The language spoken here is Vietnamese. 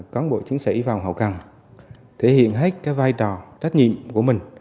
các bộ chính sĩ vào hậu căn thể hiện hết cái vai trò trách nhiệm của mình